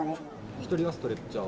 １人はストレッチャー？